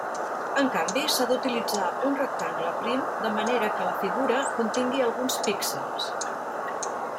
En canvi, s'ha d'utilitzar un rectangle prim de manera que la figura contingui alguns píxels.